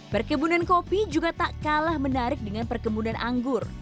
perkebunan kopi juga tak kalah menarik dengan perkebunan anggur